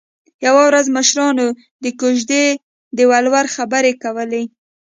یوه ورځ مشرانو د کوژدې د ولور خبرې کولې